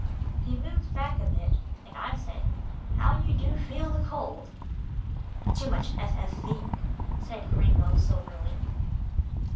He moved back a bit, and I said, "How you do feel the cold." "Too much F. F. V.," said Gringo soberly.